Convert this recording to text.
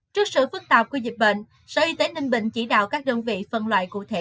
trước sự phức tạp của dịch bệnh sở y tế ninh bình chỉ đạo các đơn vị phân loại cụ thể